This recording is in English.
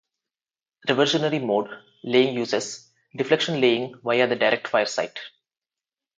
Reversionary mode laying uses deflection laying via the direct fire sight.